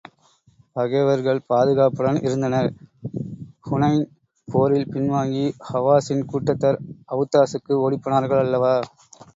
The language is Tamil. பகைவர்கள் பாதுகாப்புடன் இருந்தனர் ஹூனைன் போரில் பின்வாங்கி, ஹவாஸின் கூட்டத்தார் அவுத்தாசுக்கு ஓடிப் போனார்கள் அல்லவா?